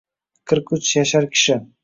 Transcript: Qirq uch yashar kishi